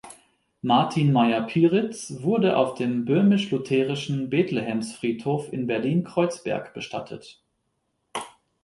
Martin Meyer-Pyritz wurde auf dem Böhmisch-Lutherischen-Bethlehems-Friedhof in Berlin-Kreuzberg bestattet.